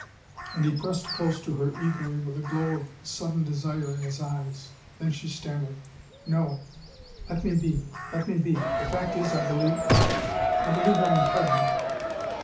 And he pressed close to her eagerly, with a glow of sudden desire in his eyes. Then she stammered: "No let me be let me be! The fact is, I believe I believe I am pregnant!"